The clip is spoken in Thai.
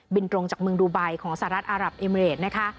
ตรงจากเมืองดูไบของสหรัฐอารับเอเมริดนะคะ